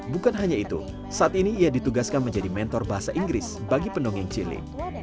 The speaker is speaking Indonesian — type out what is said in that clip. bukan hanya itu saat ini ia ditugaskan menjadi mentor bahasa inggris bagi pendongeng cilik